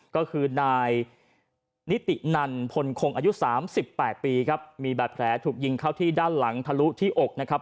ก็คือนายนิตินันพลคงอายุ๓๘ปีครับมีบาดแผลถูกยิงเข้าที่ด้านหลังทะลุที่อกนะครับ